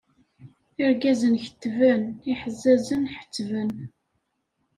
Irgazen kettben, iḥezzazen ḥettben.